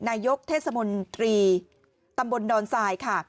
นายกเทศมนตรีตำบลดอนทรายค่ะ